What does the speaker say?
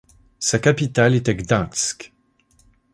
Sa capitale était Gdańsk.